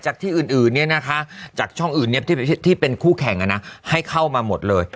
จากที่อื่นเนี่ยนะคะจากช่องอื่นเนี่ยที่เป็นคู่แข่งนะให้เข้ามาหมดเลย